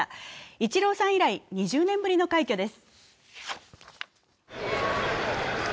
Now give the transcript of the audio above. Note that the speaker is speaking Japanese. イチローさん以来、２０年ぶりの快挙です。